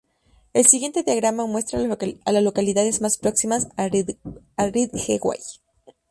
El siguiente diagrama muestra a las localidades más próximas a Ridgeway.